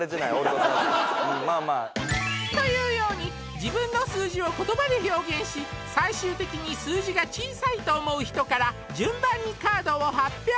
うんまあまあというように自分の数字を言葉で表現し最終的に数字が小さいと思う人から順番にカードを発表